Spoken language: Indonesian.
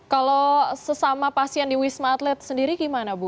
kalau sesama pasien di wisma atlet sendiri gimana bu